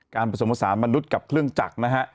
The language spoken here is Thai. การประสบสารมนุษย์กับเครื่องจักรนะฮะ